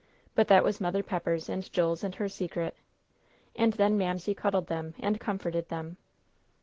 But that was Mother Pepper's and Joel's and her secret. And then Mamsie cuddled them and comforted them.